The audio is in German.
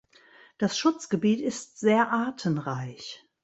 Das Schutzgebiet ist sehr artenreich.